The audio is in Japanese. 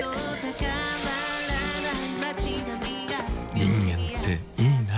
人間っていいナ。